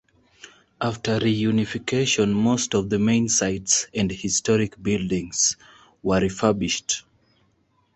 After reunification, most of the main sights and historic buildings were refurbished.